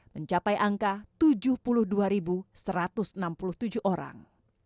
mencapai angka tujuh puluh dua satu ratus enam puluh tujuh orang